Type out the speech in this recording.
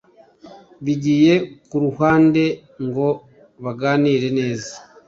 bigiye kuruhande ngo baganire neza